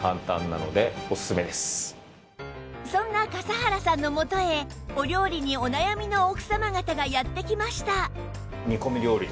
そんな笠原さんの元へお料理にお悩みの奥様方がやって来ました